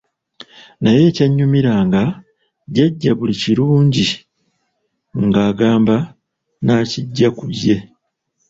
Naye ekyannyumiranga nga jjajja buli kirungi agamba nakiggya ku ye.